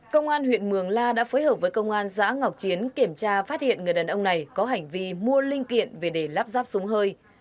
công an huyện mường la đã phối hợp với công an giã ngọc chiến kiểm tra phát hiện người đàn ông này có hành vi mua linh kiện về để lắp ráp súng hơi